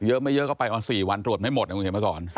เยอะไม่เยอะก็ไปเอา๔วันตรวจไม่หมดนะมึงเห็นไหมตอน